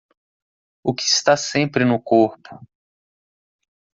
O que está sempre no corpo?